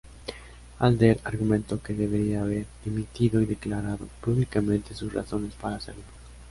Adler argumentó que debería haber dimitido y declarado públicamente sus razones para hacerlo.